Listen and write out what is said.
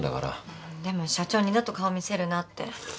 でも社長二度と顔見せるなって。